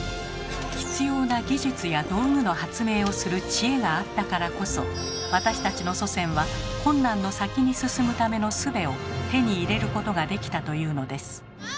必要な技術や道具の発明をする知恵があったからこそ私たちの祖先は困難の先に進むためのすべを手に入れることができたというのです。